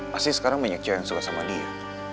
masih sekarang banyak cowok yang suka sama dia